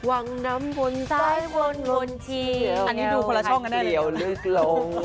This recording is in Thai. อันนี้ต้องดูคนละช่องประหลาดว่า